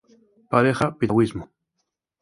pareja piragüismo